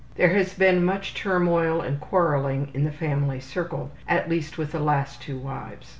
There has been much turmoil and quarreling in the family circle, at least with the last two wives.